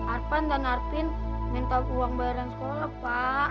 arpan dan arpin minta uang bayaran sekolah pak